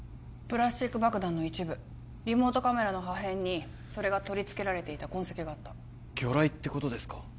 プラスチック爆弾の一部リモートカメラの破片にそれが取り付けられていた痕跡があった魚雷ってことですか？